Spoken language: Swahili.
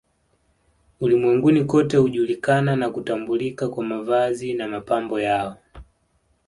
Ulimwenguni kote hujulikana na kutambulika kwa mavazi na mapambo yao